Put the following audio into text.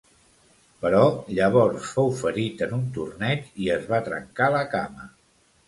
Però llavors fou ferit en un torneig i es va trencar la cama.